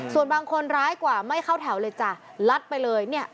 ส่วนบางคนร้ายกว่าไม่เข้าแถวเลยจ้ะลัดไปเลยเนี่ย